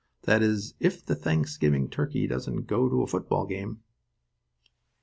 That is, if the Thanksgiving turkey doesn't go to a football game.